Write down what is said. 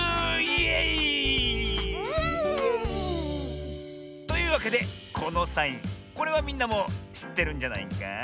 イエイー！というわけでこのサインこれはみんなもしってるんじゃないか？